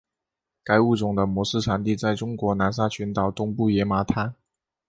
该物种的模式产地在中国南沙群岛东部野马滩。